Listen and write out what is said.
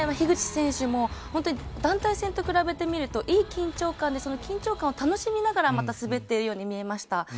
樋口選手も本当に団体戦と比べてみるといい緊張感で緊張感を楽しみながら滑っているように見えました。